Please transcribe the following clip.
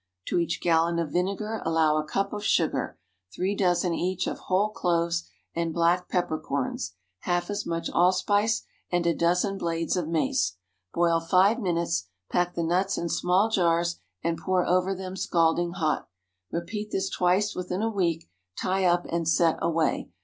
To each gallon of vinegar allow a cup of sugar, three dozen each of whole cloves and black pepper corns, half as much allspice, and a dozen blades of mace. Boil five minutes; pack the nuts in small jars and pour over them scalding hot. Repeat this twice within a week; tie up and set away.